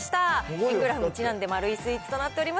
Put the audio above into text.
円グラフにちなんで丸いスイーツとなっております。